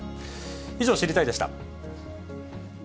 以上、知りたいッ！でした。